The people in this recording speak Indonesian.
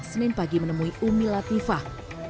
senin pagi menemui umi latifah